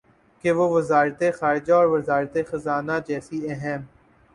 کہ وہ وزارت خارجہ اور وزارت خزانہ جیسی اہم